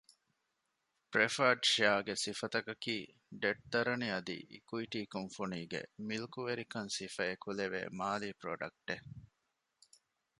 ޕްރެފަރޑް ޝެއަރގެ ސިފަތަކަކީ ޑެޓް ދަރަނި އަދި އިކުއިޓީ ކުންފުނީގެ މިލްކުވެރިކަން ސިފަ އެކުލެވޭ މާލީ ޕްރޮޑަކްޓެއް